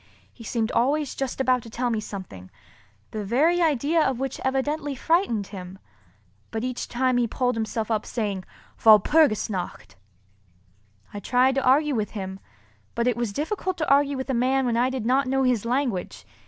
He seemed always just about to tell me something—the very idea of which evidently frightened him; but each time he pulled himself up saying, "Walpurgis nacht!" I tried to argue with him, but it was difficult to argue with a man when I did not know his language.